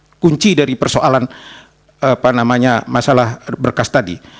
itu kunci dari persoalan masalah berkas tadi